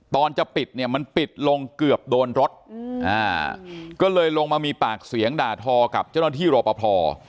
ตอนจะปิดเนี่ยมันปิดลงเกือบโดนรถก็เลยลงมามีปากเสียงด่าทอกับเจ้าหน้าที่รอปภ